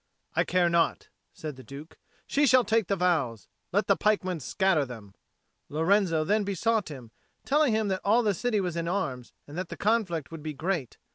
"I care not," said the Duke. "She shall take the vows! Let the pikemen scatter them." Lorenzo then besought him, telling him that all the city was in arms, and that the conflict would be great.